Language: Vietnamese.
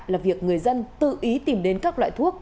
là việc người dân tự ý tìm đến các loại thuốc